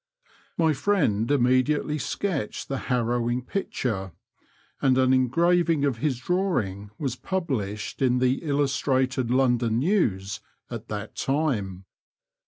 My friend immediately sketched the harrovnng picture, and an engraving from his drawing was published in the Illustrated London News at that time.